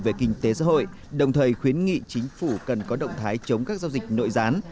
về kinh tế xã hội đồng thời khuyến nghị chính phủ cần có động thái chống các giao dịch nội gián